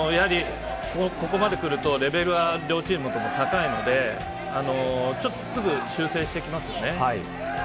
ここまでくるとレベルは両チームとも高いので、すぐ修正してきますよね。